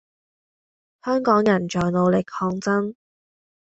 香港人在努力抗爭